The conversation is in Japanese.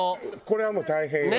これはもう大変よ。